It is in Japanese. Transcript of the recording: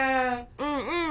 「うんうん。